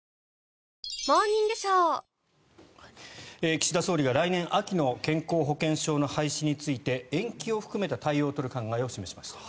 岸田総理が来年秋の健康保険証の廃止について延期を含めた対応を取る考えを示しました。